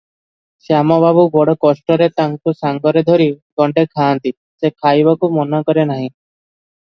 ଶ୍ୟାମ ବାବୁ ବଡ଼ କଷ୍ଟରେ ତାକୁ ସାଙ୍ଗରେ ଧରି ଗଣ୍ଡେ ଖାଆନ୍ତି, ସେ ଖାଇବାକୁ ମନକରେ ନାହିଁ ।